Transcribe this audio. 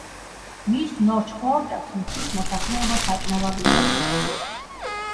მის ნორჩ ყლორტებს მთის მოსახლეობა საჭმელად იყენებს.